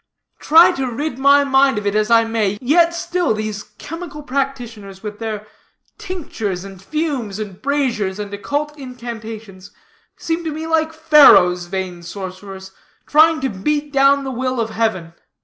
Try to rid my mind of it as I may, yet still these chemical practitioners with their tinctures, and fumes, and braziers, and occult incantations, seem to me like Pharaoh's vain sorcerers, trying to beat down the will of heaven.